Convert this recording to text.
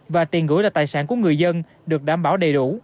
và tiền gửi là tài sản của người dân được đảm bảo đầy đủ